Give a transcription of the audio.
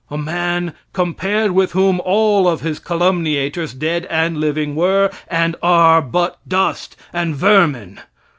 A man, compared with whom all of his calumniators, dead and living, were, and are, but dust and vermin.